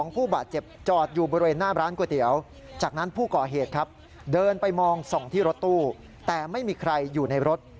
ไปมองส่งที่รถตู้แต่ไม่มีใครอยู่ในรถ